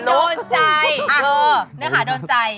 โดนใจโดนใจ